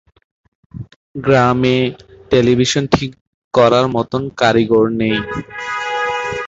গ্রামে টেলিভিশন ঠিক করার মত কারিগর নেই।